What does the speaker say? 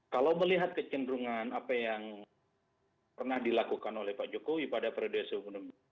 kalau melihat kecenderungan apa yang pernah dilakukan oleh pak jokowi pada periode sebelumnya